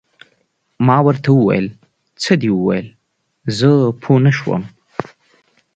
ما ورته وویل: څه دې وویل؟ زه پوه نه شوم.